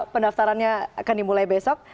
pendaftarannya akan dimulai besok